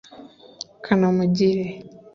Kanamugire